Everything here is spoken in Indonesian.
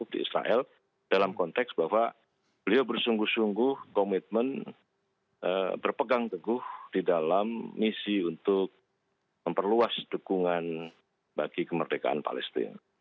di israel dalam konteks bahwa beliau bersungguh sungguh komitmen berpegang teguh di dalam misi untuk memperluas dukungan bagi kemerdekaan palestina